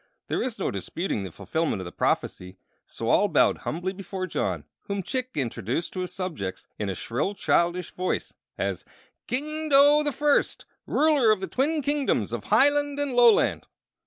There was no disputing the fulfillment of the prophecy; so all bowed humbly before John, whom Chick introduced to his subjects in a shrill, childish voice as "King Dough the First, ruler of the Twin Kingdoms of Hiland and Loland."